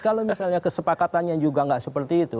kalau misalnya kesepakatannya juga nggak seperti itu